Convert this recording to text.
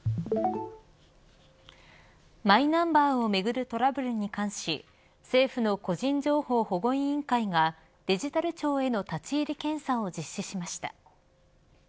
マイナンバーをめぐるトラブルに関し政府の個人情報保護委員会がデジタル庁への立ち入り検査を実施しました。